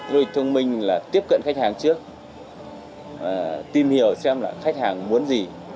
du lịch thông minh là tiếp cận khách hàng trước tìm hiểu xem là khách hàng muốn gì